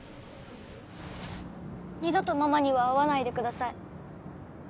二度とママには会わないでください